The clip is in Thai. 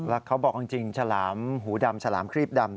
แล้วเขาบอกจริงฉลามหูดำฉลามครีบดำ